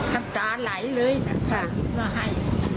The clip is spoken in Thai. จากตราไหลเลยสะอิทธิ์มาให้